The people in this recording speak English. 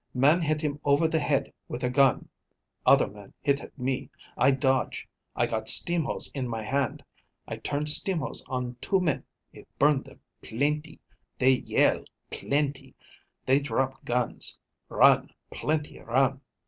Man hit him over the head with a gun. Other man hit at me. I dodge. I got steam hose in my hand. I turn steam hose on two men. It burn them, plentee. They yell plentee. They drop guns. Run, plentee run."